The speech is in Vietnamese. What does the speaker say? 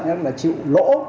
nhưng mà chịu lỗ